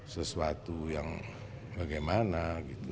sesuatu yang bagaimana gitu